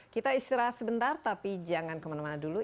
kita istirahat sebentar tapi jangan kemana mana dulu